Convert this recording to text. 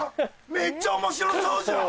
めっちゃ面白そうじゃん！